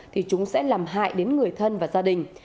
thì chúng sẽ làm hại đến người thân và gia đình